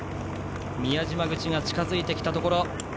宮島口が近づいてきたところ。